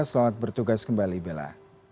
selamat bertugas kembali bella